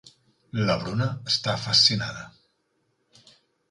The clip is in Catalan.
La Bruna està fascinada.